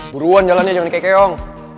beruan jalannya jangan dikekeong